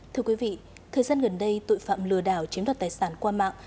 thưa quý vị thời gian gần đây tội phạm lừa đảo chiếm đoạt tài sản qua mạng